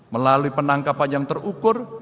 melalui penangkapan yang terukur